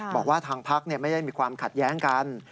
บอกว่าทางพักไม่ได้มีความขัดแย้งกัน